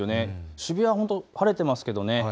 渋谷は本当に晴れていますけれどもね。